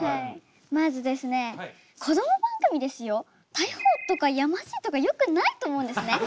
逮捕とかやましいとかよくないと思うんですね。